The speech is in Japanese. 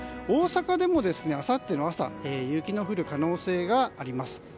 大阪でもあさっての朝雪の降る可能性があります。